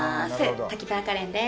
滝沢カレンです。